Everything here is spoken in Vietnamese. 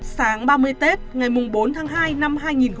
sáng ba mươi tết ngày bốn tháng hai năm hai nghìn một mươi chín